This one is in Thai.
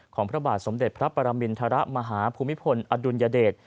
พระบาทสมเด็จพระปรมินทรมาฮภูมิพลอดุลยเดช